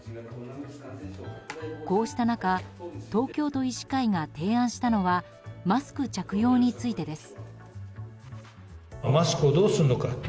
こうした中東京都医師会が提案したのはマスク着用についてです。